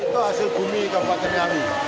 itu hasil bumi kabupaten ngawi